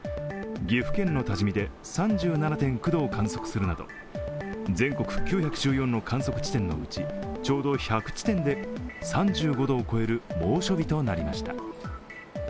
岐阜県の多治見で３７．９度を観測するなど全国９１４の観測地点のうちちょうど１００地点で３５度を超える猛暑日となりました。